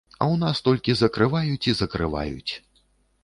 А ў нас толькі закрываюць і закрываюць.